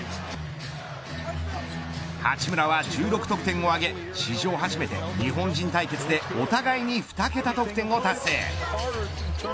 八村は１６得点を挙げ史上初めて日本人対決でお互いに２桁得点を達成。